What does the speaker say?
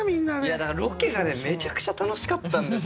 いやだからロケがねめちゃくちゃ楽しかったんですよ。